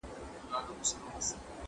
کېدای سي موبایل خراب وي،